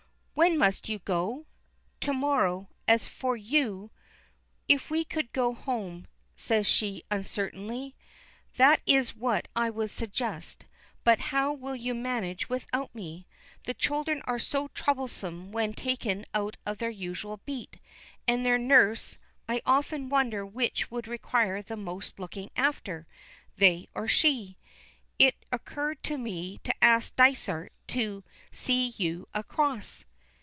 "When, must you go?" "To morrow. As for you " "If we could go home," says she uncertainly. "That is what I would suggest, but how will you manage without me? The children are so troublesome when taken out of their usual beat, and their nurse I often wonder which would require the most looking after, they or she? It occurred to me to ask Dysart to see you across."